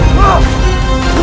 aku harus membantu